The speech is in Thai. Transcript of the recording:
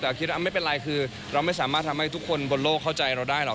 แต่คิดว่าไม่เป็นไรคือเราไม่สามารถทำให้ทุกคนบนโลกเข้าใจเราได้หรอก